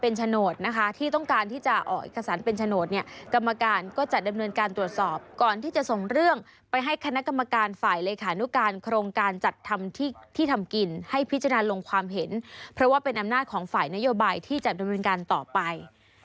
ลงความเห็นเพราะว่าเป็นอำนาจของฝ่ายนโยบายที่จะจำนวนการต่อไป